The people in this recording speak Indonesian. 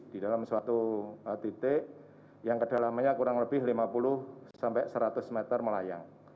di dalam suatu titik yang kedalamannya kurang lebih lima puluh sampai seratus meter melayang